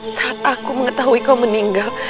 saat aku mengetahui kau meninggal